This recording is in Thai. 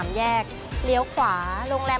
ไม่รอชาติเดี๋ยวเราลงไปพิสูจน์ความอร่อยกันครับ